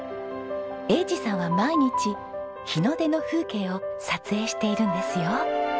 栄治さんは毎日日の出の風景を撮影しているんですよ。